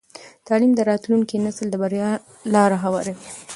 تعلیم د راتلونکي نسل د بریا لاره هواروي.